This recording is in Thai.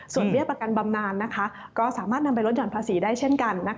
ส่วนเบี้ยประกันบำนานก็สามารถนำไปลดหย่อนภาษีได้เช่นกัน